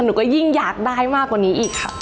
หนูก็ยิ่งอยากได้มากกว่านี้อีกค่ะ